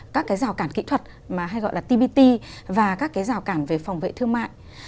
các cái rào cản kỹ thuật mà hay gọi là tbt và các cái rào cản về phòng vệ thương mại